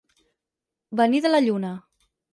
Venir de la lluna.